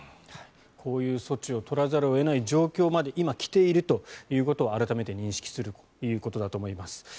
こういう措置を取らざるを得ない状況まで今、来ているということを改めて認識するということだと思います。